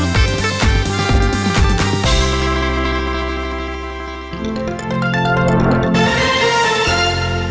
เฮ้ยเฮ้ย